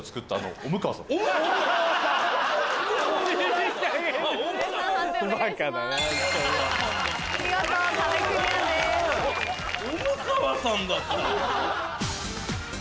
オム川さんだった。